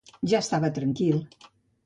Ja estava tranquil.